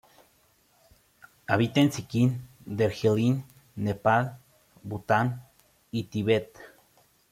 Habita en Sikkim, Darjeeling, Nepal, Bután y Tíbet.